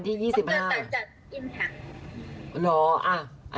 นะคะปีหน้ายี่สิบห้าปีโรโซนะคะอ๋อพี่ก็เลยเลือกวันที่ยี่สิบห้า